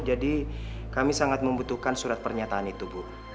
jadi kami sangat membutuhkan surat pernyataan itu bu